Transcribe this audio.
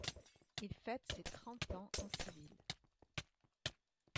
Il fête ses trente ans en civil.